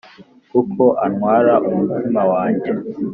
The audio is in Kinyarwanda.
kuko antwara umutima wanjye